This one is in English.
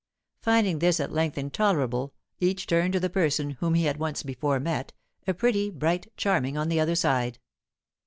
Finding this at length intolerable, each turned to the person whom he had once before met, a pretty, bright, charming on the other side.